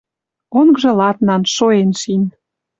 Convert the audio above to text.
Онгжы ладнан, шоэн шин.